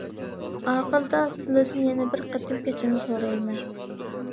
ئاخىرىدا سىلىدىن يەنە بىر قېتىم كەچۈرۈم سورايمەن.